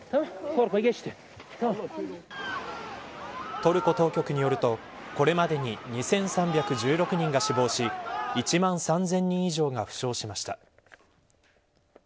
トルコ当局によるとこれまでに２３１６人が死亡し１万３０００人以上が負傷しました。